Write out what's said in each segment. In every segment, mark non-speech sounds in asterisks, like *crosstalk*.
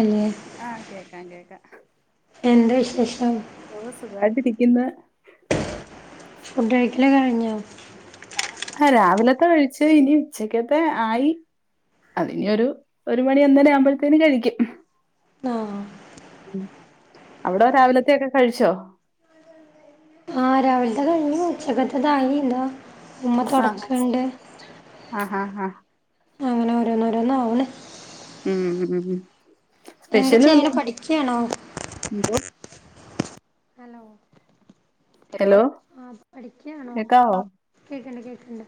അലേ. ആഹ് കേക്കാം കേക്ക. എന്താ വിശേഷം. ഓഹ് സുഖായിട്ടിരിക്കിന്ന്. ഫുഡ്‌ കയിക്കലൊക്കെ കഴിഞ്ഞോ. ആഹ് രാവിലത്തെ കഴിച്ച് ഇനി ഉച്ചക്കത്തെ ആയി. അതിനി ഒരു ഒരുമണി ഒന്നര ആകുമ്പഴത്തിനും കഴിക്ക്യും. ആഹ്. ഉം അവിട രാവിലത്തെയൊക്കെ കഴിച്ചോ. ആഹ് രാവിൽത്തെ കഴിഞ്ഞു ഉച്ചകത്തതായി താ. ഉമ്മ ആഹ് തൊടക്ക്ണ്ട് ആഹ് ആഹ് ആഹ് അങ്ങന ഓരോന്നോരോന്നാവ്ണ്. ഉം ഉം എന്താ സ്പെഷ്യല് ചെയ്യ്ണ് വല്ലതും പഠിക്കാണോ ണ്ടോ. ഹലോ ഹലോ ആഹ് പഠിക്ക്യാണോ. കേക്കാവോ കേക്ണ്ട് കേക്ണ്ട്.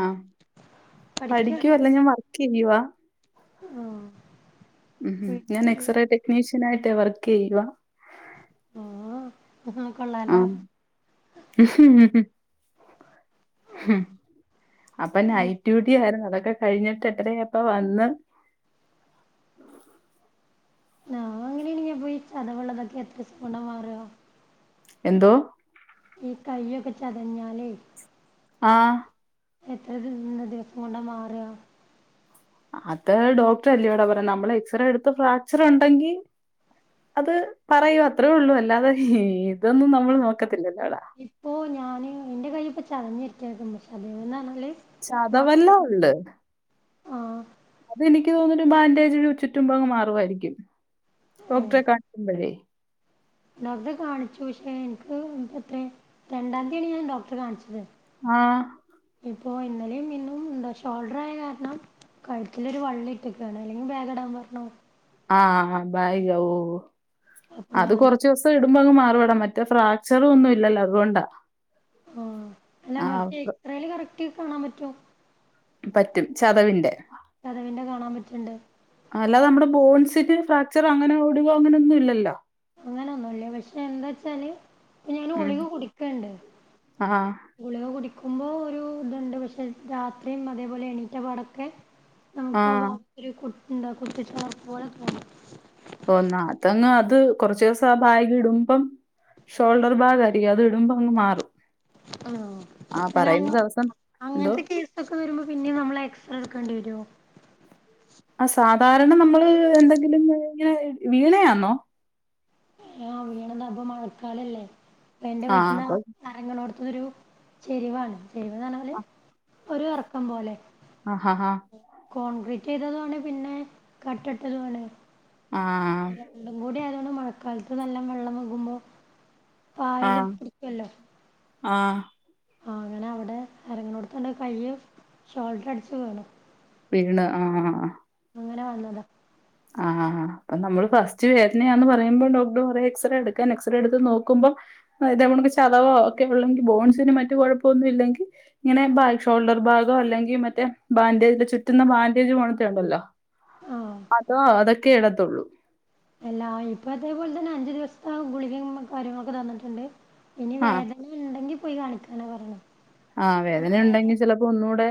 ആഹ് പഠിക്കാണോ പഠിക്ക്യുവല്ല ഞ വർക്കെയ്യുവാ. ആഹ്. ഉം ഞാൻ എക്സ്റേ ടെക്നീഷ്യൻ ആയിട്ട് വർക്കെയ്യുവ. ആഹ് അ കൊള്ളാല്ലോ. ആഹ് *inaudible* ഹമ അപ്പൊ നൈറ്റ് ഡ്യൂട്ടി ആരുന്നു അതൊക്കെ കഴിഞ്ഞിട്ട് എട്ടര യായപ്പോ വന്ന് നാ ങ്ങനെയണങ് പോയി ചതവള്ളതൊക്കെ എത്ര സക്കൊണ്ട മാറ എന്തോ ഈ കയ്യൊക്കെ ചതഞ്ഞാലേയ് ആഹ് എത്ര ദി ദ് ദിവസം കൊണ്ടാ മാറാ അത് ഡോക്ടർ അല്ലയടോ പറയാ നമ്മള് എക്സറേ എടുത്ത് പ്ലാസ്റ്റർ ഉണ്ടെങ്കി അത് പറയൂ അത്രയേ ഉള്ളൂ അല്ലാതെ ഇതൊന്നും നമ്മൾ നോക്കത്തില്ലല്ലോ ടാ പ്പോ ഞാന് ന്റെ കയ്യി പ്പോ ചതഞ്ഞിരിക്ക ചതവന്ന്ഞ്ഞാല് ചതവല്ലം ഉണ്ട് ആഹ് തെനിക്ക് തോന്ണ് ബാൻഡേജ് ചുറ്റുമ്പ് അങ്ങ് മാറുവായിരിക്കും ഏഹ് ഡോക്ടറെ കാണിക്കുമ്പോഴേയ് ഡോക്ടറെ കാണിച്ചു ശ്ശെ എനിക്ക് എത്രെ രണ്ടാം തീയാണ് ഞാൻ ഡോക്ടറെ കാണിച്ചത് ആഹ് ഇപ്പൊ ഇന്നലെയും ഇന്നും എന്താ ഷോൾഡർ ആയ കാരണം കഴുത്തില് ഒരു വള്ളി ഇട്ട്ക്കാണ് അല്ലെങ്കിൽ ബേഗ് ഇടാൻ പറഞ്ഞു ആഹ് ആ ബായി ഔ അപ്പൊ അത് ഞാൻ കൊറച്ച് സ് ഇടുമ്പോ അങ് മാറുടാ മറ്റേ ഫ്രാക്ചറുഒന്നും ഇല്ലല്ലോ അതുകൊണ്ടാ ആഹ് അല്ല ആ മറ്റേ പ- ക്സ്റയിൽ കറക്റ്റ് കാണാൻ പറ്റു പറ്റും ചതവിന്റെ ചതവിന്റെ കാണാൻ പറ്റ്ണ്ട്. അല്ലതെ അമ്മടെ ബോൺസിന് ഫ്രാക്ചർ അങ്ങനെ ഒടിവോ അങ്ങനെന്നും ഇല്ലല്ലോ. അങ്ങനൊന്നുല്ല പശേ എന്താച്ചാല് ഞാൻ ഉം ഉളിക കുടിക്ണ്ട്. ആ ഗുളിക കുടിക്കുമ്പോ ഒരു ത്ണ്ട് പശേ രാത്രി അതേപോലെ എണീറ്റ പാടൊക്കെ. നമുക്ക് ആ ബാക്ക ഒരു കുത്തിണ്ട് ആഹ് കുത്ത് ട്ട പോലെക്കാരം. *unintelligible* തന്നാതങ്ങ് അത് *unintelligible* ഷോൾഡർ ബാഗ് ആടീ അത് ഇടുമ്പോ അങ്ങ് മാറും ആണോ? ആ അല്ല അങ്ങ പറയുമ്പോസ് അങ്ങനത്തെ കേസൊക്കെ വരുമ്പോ പിന്നെ നമ്മൾ എക്സ്റേ എടുക്കണ്ടി വരോ? ആഹ് സാധാരണ നമ്മള് എന്തെങ്കിലും ഇങ്ങനെ വീണയാന്നോ. ആഹ് വീണതാ പ്പൊ മഴക്കാലല്ലേ എൻ്റെ ആ വീട്ടന്ന് അ അപ്പൊ അറങ്ങണോടുതൊരു ചെരിവാണ് ചെരിവ് അറഞ്ഞാല് ഒരു അറക്കം പോലെ. ആഹാ ആഹ്. *unintelligible* കോൺക്രീറ്റ് ചെയ്തതൊണ്ട് പിന്നെ കട്ടഇട്ടതും ആണ് ആഹ്. രണ്ടും കൂടി ആയതോണ്ട് മഴക്കാലത്ത് നല്ല വെള്ളം വിക്മ്പോ. പായല് പി ടിക്കല്ലോ. ആഹ്. ആ അങ്ങനെ അവടെ എറങ്ങണോ ടുത്ത്ൻ്റെ കയ്യ് ഷോൾഡറടിച്ച് വീണു. പീണ് ആഹ്. അങ്ങനെ വന്നതാ. ആഹ് അപ്പൊ നമ്മള് ഫസ്റ്റ് വേദനയാന്ന് പറയുമ്പോ ഡോക്ടർ പറയും എക്സറേ എട്ക്കാൻ എക്സറേ എടുത്ത് നോക്കുമ്പോ അതാ വുമ്പോ ചതവോ ഒക്കെ ഉള്ളെങ്കിൽ ബോൺസിന് മറ്റു കൊഴപ്പന്നും ഇല്ലെങ്കി. ഇങ്ങനെ ബാഗ ഷോൾഡർ ഭാഗോ അല്ലെങ്കിൽ മറ്റേ ബാൻഡേജ് ചുറ്റുന്ന ബാഡേജ് പോലത്തെ ണ്ടല്ലോ. ആഹ് അതോ അതൊക്കെ എടതൊള്ളു. അല്ലാ ഇപ്പ അതേപോലെ തന്നെ അഞ്ചു ദിവസത്തെ ഗുളികിം കാര്യങ്ങളൊക്കെ തന്നിട്ട്ണ്ട് ഇനി ആഹ് വേദ. നി ഇണ്ടെങ്കി പോയി കാണിക്കാനാ പറഞ്. ആഹ് വേദന ഉണ്ടെങ്കിൽ ചെലപ്പോ ഒന്നുടെ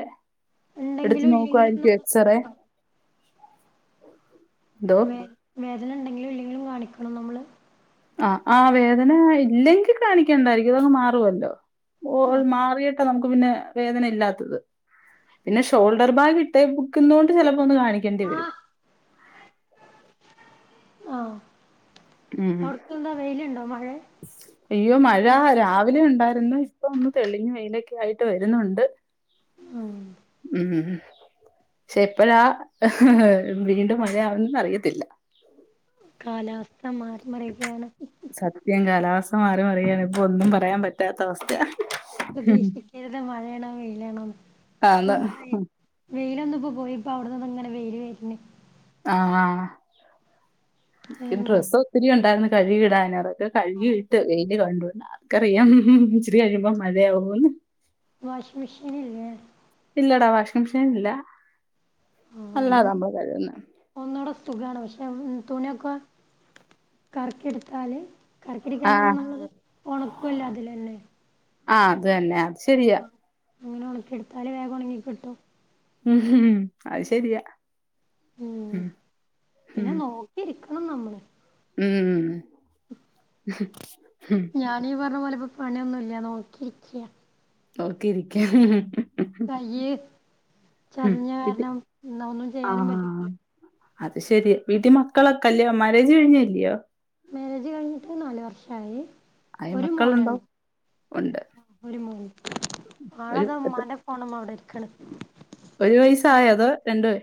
എടുത്തു ഇണ്ടെങ്കിലും ഇല്ലെങ്കിലും നോക്കായിരിക്കും നമ്മള് എക്സ്റേ. കാണിക്കണം *inaudible* വേ വേദന ഇണ്ടെങ്കിലും ഇല്ലെങ്കിലും കാണിക്കണം നമ്മള്. ആഹ് ആഹ് വേദന ഇല്ലെങ്കി കാണിക്കണ്ട ഇതങ്ങ് മാറുവല്ലോ ഓ മാറിയി ട്ട നമുക്ക് പിന്നെ വേദന ഇല്ലാത്തത്. പിന്നെ ഷോൾഡർ ബാഗ് ഇട്ടേ ബുക്കുന്നൊണ്ട് ചെലപ്പോ ഒന്ന് കാണിക്കേണ്ടി വരും. ആഹ് ആഹ്. ഉം പൊർത്തന്താ വെയില്ണ്ടോ മഴേ? അയ്യോ മഴ രാവിലെ ഉണ്ടായിരുന്നു ഇപ്പം ഒന്ന് തെളിഞ് വെയിലൊക്കെ ആയിട്ട് വരുന്നുണ്ട്. ആഹ്. ഉം. ക്ഷെ എപ്പഴാ വീണ്ടും മഴയാവുന്നന്ന് അറിയത്തില്ല. കാലാവസ്ഥ മാറി മറിയുകയാണ്. സത്യം കാലാവസ്ഥ മാറി മറിയുകയാണ് ഇപ്പൊ ഒന്നും പറയാൻ പറ്റാത്ത അവസ്ഥയാ. പ്രതീക്ഷിക്കരുത് മഴയാണോ വെയിലാണോന്ന് ആന്ന് ഇപൊന്ന് വെയി വെയില് ഒന്ന് പ്പോ പോയി. ഇപ്പൊ അവിട്ന്നതാ ഇങ്ങനെ വെയില് വര്ണ്. ആഹ് ഹാ. ഇൻ എന്താ ഡ്രസ്സ് ഒത്തിരി ഉണ്ടായിരുന്ന് കഴുകി ഇടാന് അതൊക്കെ. കഴുകി ഇട്ട് വെയില് കണ്ടോണ്ട് ആർക്കറിയാം ഇച്ചിരി കഴിയുമ്പം മഴയാകൂന്ന്. വാഷിംഗ് മിഷീനില്ലേ. ഇല്ലടാ വാഷിംഗ് മെഷീൻ ഇല്ല ആഹ് അല്ലാതാ അതന്നെ മ്മള് കഴുകുന്നത്. ഒന്നൂടെ സുഖാണ്. പശേ തുണ്യൊക്കെ കറക്കി ട്ത്താല്. കറക്കിട്ക്കാന്ന പറഞ്ഞാ ആഹ് നമ്മളത് ഒണക്കൊല്ലോ അതിലന്നെ. ആഹ് അത് തന്നെ അത് ശരിയാ അങ്ങനെ ഒണക്കിയെടുത്താല് വേഗം ഒണങ്ങി കിട്ടും. അഹ് ശെരിയാ ഉം ഉം പിന്നെ നോക്കിയിരിക്കണം നമ്മള് ഉം ഞാനീ പറഞ്ഞപോലെ ഇപ്പ പണിയൊന്നുല്ല നോക്കിയിരിക്കാ നോക്കിയിരിക്ക്യാ കയ്യ് ചതഞ്ഞ ഇത് കാരണം ഇന്നാ ഒന്നും ചെയ്യാനും ആഹ് പറ്റൂലല്ലോ അത് ശരിയാ. വീട്ടീ മക്കളൊക്കെ അല്ലിയോ മാരേജ് കഴിഞ്ഞ അല്ലിയോ? മാരേജ് കഴിഞ്ഞിട്ട് നാലു വർഷായി. ആയി ഒരു മക്കളുണ്ടോ മോനൊള്ളു. ഉണ്ട് ഒരു മോന് ഒരു ആളതാ എത്ര ഉമ്മാടെ ഫോണ് മ്മേ അവ്ടെ ഇരിക്ക്ണ് ഒരു വയസായോ അതോ രണ്ട് വ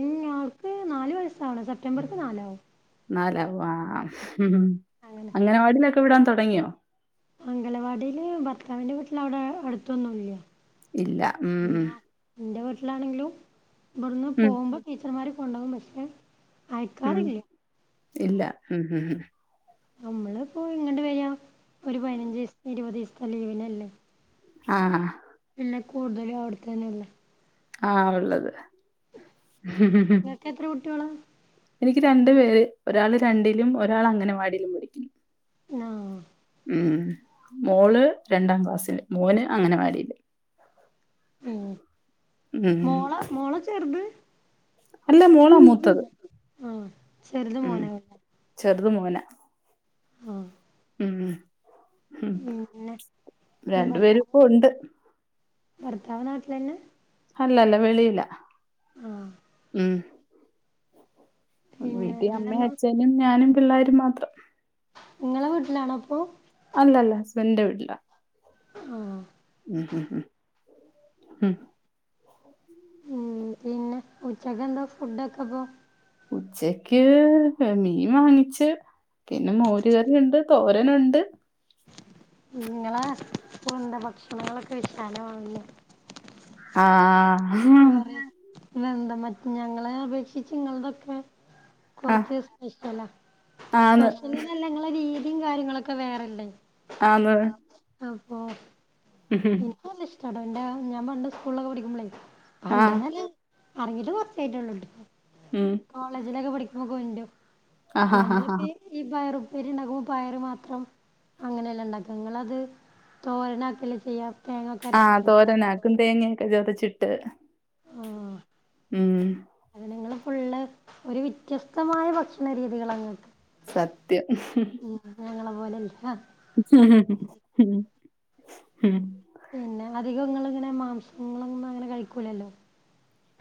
ഇല്ല ആൾക്ക് നാല് വയസ്സാവ്ണ് സെപ്റ്റംബർക്ക് നാലാവും നാലാവും ആഹ് ഉം അങ്ങനെ അങ്ങൻവാടിയിലൊക്കെ വിടാൻ തൊടങ്ങിയോ അംഗലവാടിയില് ഭർത്താവിന്റെ വീട്ടില് അവ്ടെ അടുത്തൊന്നു ല്ലാ ഇല്ല ഉംഉം ഇന്റെ വീട്ടിലാണെങ്കിലും ഇബട്ന്ന് ഉം പോവുമ്പോ ടീച്ചർമാര് കൊണ്ടോവും പക്ഷേ ഉം അയക്കാറില്ല. ഇല്ല ഉം ഉംഉം നമ്മള്പ്പോ ഇങ്ങട്ട് വരാ ഒരു പയിനഞ്ചീസ് ഇരുപതീസ്ത്തെ ലീവിനല്ലേ ആഹ് പിന്നെ കൂടുതലും അവ്ടത്തന്നെ അല്ലേ ആഹ് ഉള്ളത് നിങ്ങൾക്ക് എത്ര കുട്ടികളാ എനിക്ക് രണ്ടു പേര് ഒരാള് രണ്ടിലും ഒരാള് അങ്ങനവാടിലും പഠിക്ക്ണ് ആഹ് ഉം മോള് രണ്ടാം ക്ലാസ്സില് മോന് അങ്ങനവാടിയില് ഉം മോളാ ചെർത്? അല്ല മോളാ മൂത്തത് ഓഹ് ചെറ്ത് മോനാവുല്ലേ ചെറ്ത് മോനാ ഉം ഉം ഉം രണ്ടു പേരും ഭർത്താവ് ഇപ്പ ഉണ്ട് ഭർത്താവ് നാട്ടിലെന്നെ ഹല്ലല്ല വെളിയിലാ ആഹ് ഉം പിന്നെ വീട്ടീ അമ്മേം എന്താന്ന് അച്ഛനും ഞാനും പിള്ളാരും മാത്രം ഇങ്ങളെ വീട്ടിലാണപ്പൊ അല്ലല്ല ഹസ്ബഡിൻ്റെ വീട്ടിലാ ആഹ് *inaudible* ഉം പിന്നെ ഉച്ചക്കെന്താ ഫുഡൊക്കെപ്പോ ഉച്ചക്ക് പേ മീൻ വാങ്ങിച്ച് പിന്നെ മോരുകറിയുണ്ട് തോരനുണ്ട് ഞ്ഞ്ങ്ങള് പോൺണ്ടോ ഭക്ഷണങ്ങളൊക്കെ *unintelligible* ആഹ് ഇല്ലാ വെന്ത മറ്റ് ഞങ്ങളെ അപേക്ഷിച്ച് ഇങ്ങളതൊക്കെ ആഹ് കൊറച്ച് സ്പെഷ്യലാ ആന്ന് സ്പെഷ്യല്ന്നല്ല ഇങ്ങളെ രീതീ കാര്യങ്ങളൊക്കെ വേറല്ലേ ആന്ന് അപ്പോ *inaudible* ക്ക് അല്ല ഇഷ്ട്ടാട്ടോ എന്റെ ഞാ പണ്ട് സ്കൂളിലൊക്കെ പഠിക്കുമ്പളേ അൻ്റെത് ആഹ് നല്ല അറങ്ങീറ്റ് കൊറച്ചായിട്ടൊള്ളൂട്ടോ ഉം കോളേജിലൊക്കെ പഠിക്കുമ്പോ കൊണ്ട് രും ആഹ് ഹാ ഹാ നമ്മളിപ്പി *unintelligible* ഈ പയറുപ്പേരി ഇണ്ടാക്കുമ്പോ പയറ് മാത്രം അങ്ങനെല്ലേ ഇണ്ടാക്ക ഇങ്ങളത് തോരനാക്കല്ലേ ചെയ്യ ആഹ് തോരനാക്കും തേങ്ങയൊക്കെ ചതച്ചിട്ട് ആ ഉം അതിനങ്ങള് ഫുള്ള് ഒരു വ്യത്യസ്തമായ ഭക്ഷണ രീതികളാ ഇങ്ങക്ക് സത്യം ഉം ഞങ്ങളെ പോലെല്ല *inaudible* പിന്നെ അധികം ഇങ്ങള്ങ്ങനെ മാംസങ്ങളൊന്നും അങ്ങനെ കഴിക്കൂലല്ലോ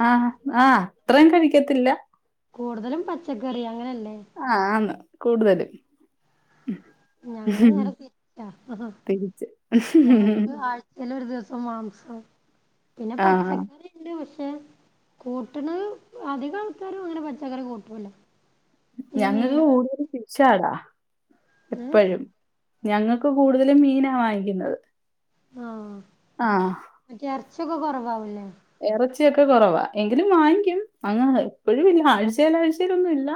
ആഹ് ആ അത്രയും കഴിക്കത്തില്ല കൂടുതലും പച്ചക്കറി അങ്ങനല്ലേ ആഹ് ന്ന് കൂടുതലും ഞങ്ങള് നേരെ തിരിച്ചാ തിരിച്ച് ചെല ഒരു ദിവസം മാംസം പിന്നെ ആഹ് പച്ചക്കറി കൂട്ട്ണ്ട് പക്ഷെ കൂട്ട്ണ് അധികം ആൾക്കാരും അങ്ങനെ പച്ചക്കറി കൂട്ടൂല ഈ ഞങ്ങക്ക് മീനും കൂടുതലും ഫിഷാടാ ഏഹ് എപ്പഴും ഞങ്ങക്ക് കൂടുതലും മീനാ വാങ്ങിക്കുന്നത് ആ ആ മറ്റേ എർച്ചിക്കെ കൊറവവുലേ എറച്ചിയൊക്കെ കൊറവാ എങ്കിലും വാങ്ങിക്കും അങ്ങ് എപ്പഴും ഇല്ല ആഴ്ചേല് ആഴ്ചലൊന്നും ഇല്ല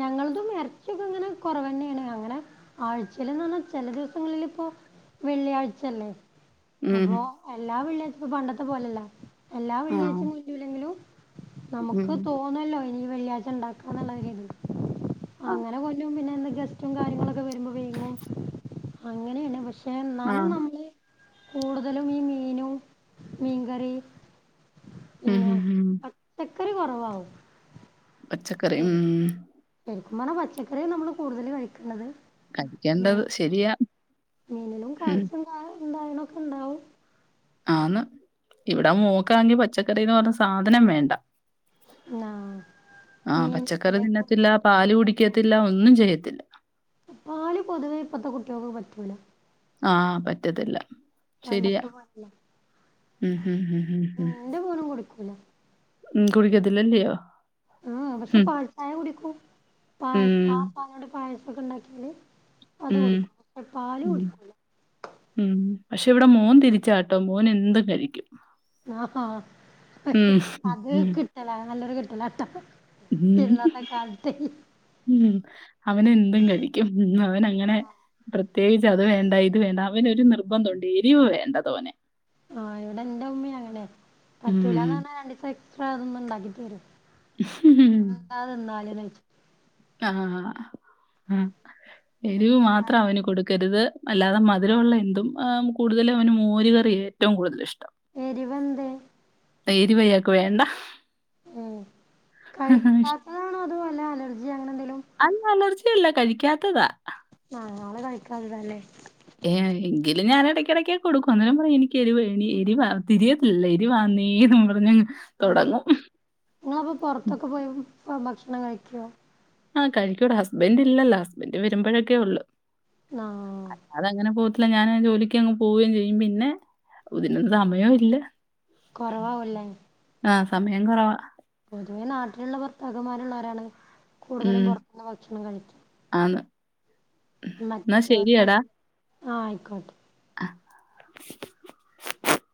ഞങ്ങൾതും എറച്ചൊക്കെ ഇങ്ങനെ കൊറവന്നെണ് അങ്ങനെ ആഴ്ചേലന്ന് പറഞ്ഞാ ചെല ദിവസങ്ങളില് പ്പോ വെള്ളിയാഴ്ചല്ലേ അപ്പൊ മ്ഹ്. എല്ലാ വെള്ള്യാഴ്ച്ചേം പണ്ടത്തെ പോലല്ല എല്ലാ ആഹ്. വെള്ള്യാഴ്ച്ച കിട്ടൂലങ്കിലും നമുക്ക് മ്ഹ്. തോന്നല്ലോ ഇനി വെള്ളിയാഴ്ച ഇണ്ടാക്കാന്നുള്ള ഒര്ത് ആഹ്. അങ്ങനെ കൊന്നും പിന്നെ എന്ത ഗസ്റ്റും കാര്യങ്ങളൊക്കെ വരുമ്പോ വേങ്ങും അങ്ങനെണ് പക്ഷേ ന്നാലും ആഹ്. നമ്മള് കൂടുതലും ഈ മീനും മീൻകറി പിന്നെ മ്ഹ്. ഹ്. ഹ്. പച്ചക്കറി കൊറവാവും പച്ചക്കറി. ഉം ശരിക്കും പറഞ്ഞ പച്ചക്കറിയാ നമ്മള് കൂടുതല് കഴിക്കണ്ടത് കഴിക്കേണ്ടത് ശരിയാണ് മീനിലും കാത്സ്യം കാണും ന്താ അയണോക്കണ്ടാവും. ആന്ന് ഇവിട മോക്കാണങ്കി പച്ചക്കറീ പറഞ്ഞ സാധനം വേണ്ട ആ ആഹ് പച്ചക്കറി മീനില്ലേ തിന്നത്തില്ല. പാല് കുടിക്കത്തില്ല. ഒന്നും ചെയ്യത്തില്ല. പാല് പൊതുവേ ഇപ്പത്തെ കുട്ട്യോക്ക് പറ്റൂല ആഹ് പറ്റത്തില്ല. ശര്യാ *unintelligible* ഉം ഉം ഉം ഉം ഉം കൊടുക്കൂല ഉം കുടിക്കത്തിലല്ല്യോ ഉം പക്ഷേ പാൽച്ചായ കുടിക്കൂ പാൽ ആ പാലോണ്ട് പായസോക്കെ ഇണ്ടാക്ക്യാല് അത് കുടിക്കും ക്ഷേ പാല് കുടിക്കൂല ഉം പക്ഷേ ഇവടെ മോൻ തിരിച്ചാട്ടോ മോൻ എന്തും കഴിക്കും ആഹ് ഹാ അത് ഹ്. കിട്ടലാ. നല്ലൊരു കിട്ടലാട്ടോ. ഇന്നത്തെ കാലത്തെ ഉം അവന് എന്തും കഴിക്കും. ഉം അവനങ്ങനെ പ്രത്യേകിച്ച് അത് വേണ്ട ഇത് വേണ്ട അവന് ഒരു നിർബന്ധോണ്ട് എരിവ് വേണ്ട തോനെ. ആ ഇവിടെ എന്റെ ഉമ്മയും അങ്ങനെ പറ്റൂലാന്ന് ഉം പറഞ്ഞാ രണ്ട് ദിവസം എക്സ്ട്രാ അതൊന്ന്ണ്ടാക്കി തെരും *unintelligible* ന്താ തിന്നാല്ന്നോച്ച് ആഹ് ആഹ് എരിവ് മാത്രം അവന് കൊടുക്കരുത്. അല്ലാതെ മധുരമുള്ള എന്തും. ആം കൂടുതലും അവന് മോര് കറ്യാ ഏറ്റവും കൂടുതൽ ഇഷ്ടം. എരിവെന്തേ? എരിവ് അയാക്ക് വേണ്ട ഉം കഴിക്കാത്തതാണോ? അതോ വല്ല അലർജി അങ്ങന എന്തേലും? അല്ല അലർജി അല്ല. കഴിക്കാത്തതാ ആഹ് ആള് കഴിക്കാത്തതാല്ലേ? ഏഹ് എങ്കില് ഞാൻ എടയ്ക്കിടയ്ക്കൊക്കേ കൊടുക്കും. അന്നേരം പറയും എനിക്ക് എരിവ എരിവ തിരിയ പിള്ളേര് വന്നേന്നും പറഞ്ഞ് അപ്പോ ഇങ്ങളപ്പോ പൊറത്തൊക്കെ പോയി പ ഭക്ഷണം കഴിക്ക്വോ? ആഹ് കഴിക്കുവെട. ഹസ്ബൻ്റില്ലല്ലോ. ഹസ്ബൻഡ് വരുമ്പഴൊക്കെ ഉള്ളു. ആഹ് അതങ്ങനെ പോകത്തില്ല. ഞാനാ ജോലിക്കങ്ങ് പോവേം ചെയ്യും. പിന്നെ ഇതിനൊന്നും സമയോം ഇല്ല. കൊറവാവുല്ലേ? ആഹ് സമയം കൊറവാ പൊതുവെ നാട്ടിലുള്ള ഭർത്താക്കന്മാരുള്ളോരാണ് കൂടുതലും ഉം. പൊർത്ത്ന്ന് ഭക്ഷണം കഴിക്കാ ആന്ന് എന്നാ മറ്റോരത ശരിയെടാ. ആഹ് ആയിക്കോട്ടെ ആഹ്